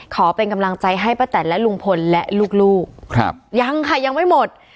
ขอเป็นกำลังใจให้ป้าแตนและลุงพลและลูกครับยังค่ะยังไม่หมด